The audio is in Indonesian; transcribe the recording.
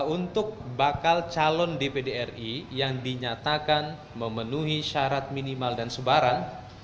untuk bakal calon di pdri yang dinyatakan memenuhi syarat minimal dan sebarang